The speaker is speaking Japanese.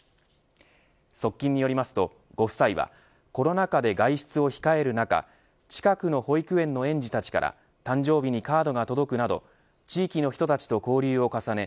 側近によりますと、ご夫妻はコロナ禍で外出を控える中近くの保育園の園児たちから誕生日にカードが届くなど地域の人たちと交流を重ね